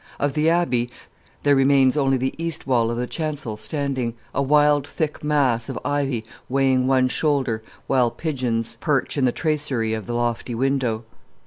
Of the abbey, there remains only the east wall of the chancel standing, a wild thick mass of ivy weighting one shoulder, while pigeons perch in the tracery of the lofty window.